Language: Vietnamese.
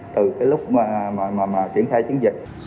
từ lúc mà triển khai